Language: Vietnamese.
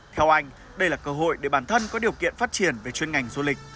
theo anh đây là cơ hội để bản thân có điều kiện phát triển về chuyên ngành du lịch